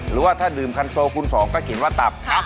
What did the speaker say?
หรือว่าถ้าดื่มคันโซคูณ๒ก็เขียนว่าตับ